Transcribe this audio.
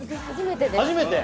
初めて？